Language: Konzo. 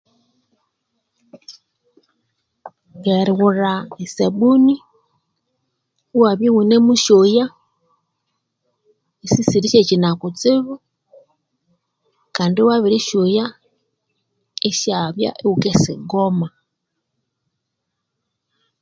Erithahya mukali mughuma omwa Uganda okwa balhume, wukabutha abana bake, kandi nomukali omughuma akanathendi kusikya kusangwa abiri lhangira ininayo musa, nerithahya abana banene kandi betu likaleka abana abo iwathoka eribapulaningira ndeke ngabangasoma bathi iwathoka eribaha ebyalya ebikabaghunza neribatheka omwa mathendekero, kusangwa ni bake nebya wuwithe bikabahika.